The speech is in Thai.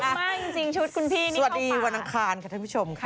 มากจริงชุดคุณพี่นี่สวัสดีวันอังคารค่ะท่านผู้ชมค่ะ